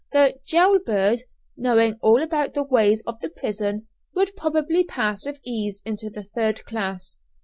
The "jail bird," knowing all about the ways of the prison, would probably pass with ease into the third class.